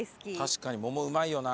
確かに桃うまいよな。